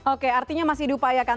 oke artinya masih diupayakan